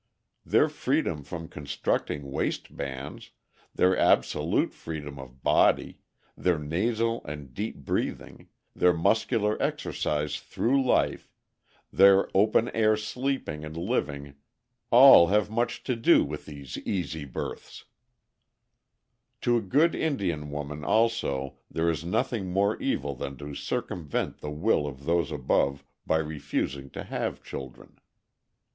Their freedom from constricting waist bands, their absolute freedom of body, their nasal and deep breathing, their muscular exercise through life, their open air sleeping and living, all have much to do with these easy births. [Illustration: THE AUTHOR DESCRIBING THE SYMBOLISM OF THE PAIUTI BASKET DESIGN.] To a good Indian woman, also, there is nothing more evil than to circumvent the will of Those Above by refusing to have children.